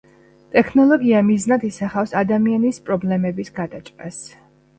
ტექნოლოგია მიზნად ისახავს ადამიანის პრობლემების გადაჭრას.